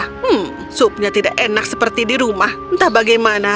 hmm supnya tidak enak seperti di rumah entah bagaimana